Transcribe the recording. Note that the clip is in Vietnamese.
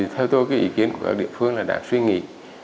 theo tôi ý kiến của các địa phương là đáng suy nghĩ